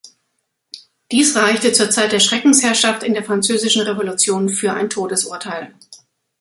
Dies reichte zur Zeit der Schreckensherrschaft in der Französischen Revolution für ein Todesurteil.